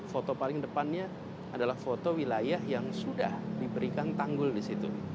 foto paling depannya adalah foto wilayah yang sudah diberikan tanggul di situ